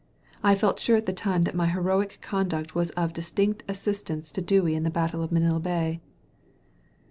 I felt sure at the time that my heroic conduct was of distinct assistance to Dewey in the battle of Manila Bay.''